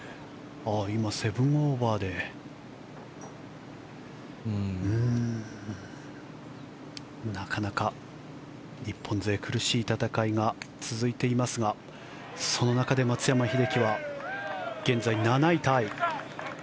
今、７オーバーでなかなか日本勢苦しい戦いが続いていますがその中で松山英樹は現在、７位タイ。